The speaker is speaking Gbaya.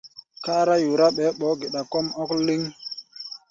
Kárá yorá, ɓɛɛ ɓɔ́ɔ́-geda kɔ́ʼm ɔ̧́k léŋ.